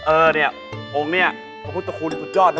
เออเนี่ยองค์เนี่ยพระพุทธคุณสุดยอดนะ